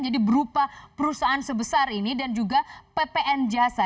jadi berupa perusahaan sebesar ini dan juga ppn jasa